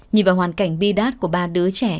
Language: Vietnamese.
nhìn vào hoàn cảnh bi đát của ba đứa trẻ